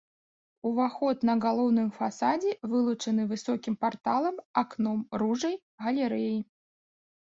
Уваход на галоўным фасадзе вылучаны высокім парталам, акном-ружай, галерэяй.